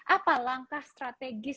apa langkah strategis